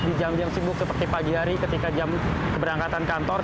di jam jam sibuk seperti pagi hari ketika jam keberangkatan kantor